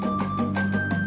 hey sudah lagi